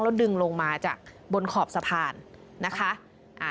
แล้วดึงลงมาจากบนขอบสะพานนะคะอ่า